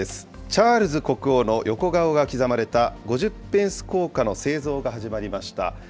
チャールズ国王の横顔が刻まれた５０ペンス硬貨の製造が始まりました。